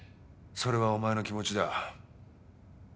それはお前の気持ちだ。